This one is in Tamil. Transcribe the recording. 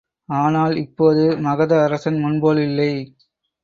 ஆனால் இப்போது மகத அரசன் முன்போல் இல்லை.